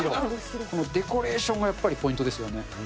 このデコレーションがやっぱりポイントですよね。